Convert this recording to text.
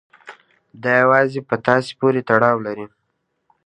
دا يوازې په تاسې پورې تړاو لري.